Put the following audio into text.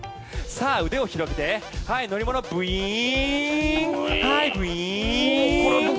腕を広げて乗り物、ブイーン！